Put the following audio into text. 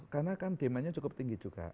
karena kan demannya cukup tinggi juga